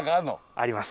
あります。